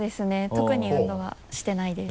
特に運動はしてないです。